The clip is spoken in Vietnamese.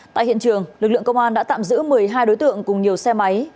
tại hiện trường lực lượng công an đã tạm giữ một mươi hai đối tượng cùng nhiều xe máy